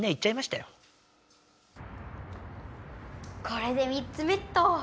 これで３つ目っと！